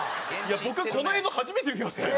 僕この映像初めて見ましたよ。